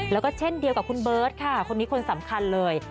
แล้วก็เช่นเดียวกับคุณเบิร์ตค่ะคนนี้คนสำคัญเลย